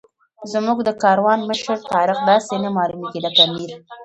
زموږ د کاروان مشر طارق داسې نه معلومېږي لکه امیر.